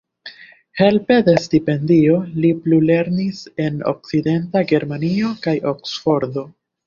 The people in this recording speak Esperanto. Helpe de stipendio li plulernis en Okcidenta Germanio kaj Oksfordo.